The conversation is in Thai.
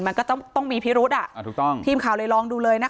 มันก็ต้องต้องมีพิรุษอ่ะอ่าถูกต้องทีมข่าวเลยลองดูเลยนะคะ